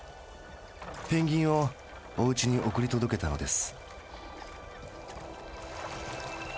ペンギンをおうちに送り届けたのです。